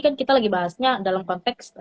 kan kita lagi bahasnya dalam konteks